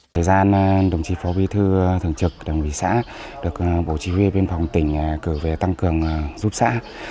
thời gian đồng chí phó bi thư thường trực đảng ủy xã được bổ trí huy bên phòng tỉnh cử về tăng cường giúp xã